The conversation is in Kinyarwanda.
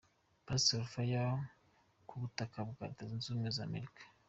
Pastor Fire ku butaka bwa Leta Zunze Ubumwe za Amerika.